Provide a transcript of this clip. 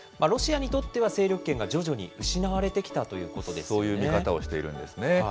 ロシアにとっては、勢力圏が徐々に失われてきたということでそういう見方をしているんですね。